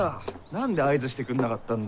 何で合図してくんなかったんだよ。